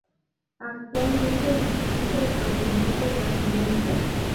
Actualmente disputa el Campeonato Brasiliense.